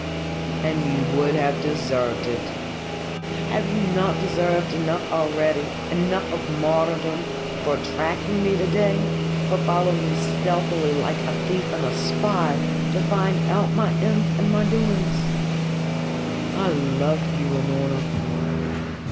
"And you would have deserved it. Have you not deserved enough already, enough of martyrdom, for tracking me to day, following me stealthily, like a thief and a spy, to find out my ends and my doings?" "I love you, Unorna."